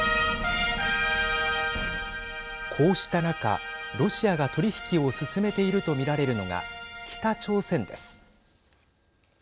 こうした中ロシアが取り引きを進めていると見られるのが北朝鮮です。